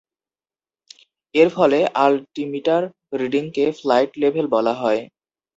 এর ফলে আলটিমিটার রিডিংকে flight level বলা হয়।